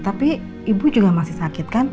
tapi ibu juga masih sakit kan